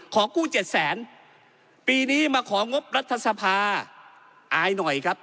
ขอกู้เจ็ดแสนปีนี้มาของงบรัฐสภาอายหน่อยครับ